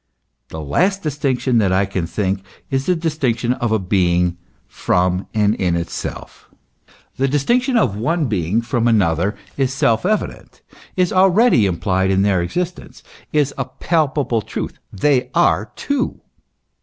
The last distinction that I can think, is the distinction of a being from and in itself. The dis tinction of one being from another is self evident, is already implied in their existence, is a palpable truth : they are two.